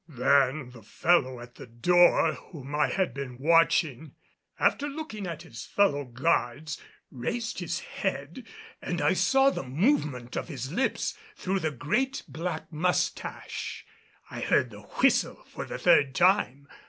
Then the fellow at the door whom I had been watching, after looking at his fellow guards, raised his head and I saw the movement of his lips through the great black mustache. I heard the whistle for the third time.